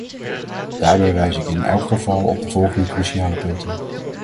Daarbij wijs ik in elk geval op de volgende cruciale punten.